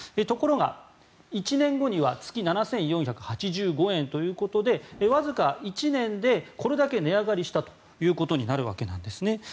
ところが、１年後には月７４８５円ということでわずか１年でこれだけ値上がりしたということになるわけなんですね。